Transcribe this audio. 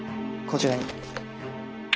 こちらに。